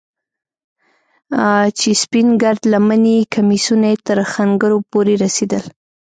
چې سپين گرد لمني کميسونه يې تر ښنگرو پورې رسېدل.